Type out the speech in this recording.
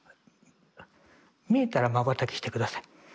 見えたらまばたきして下さい。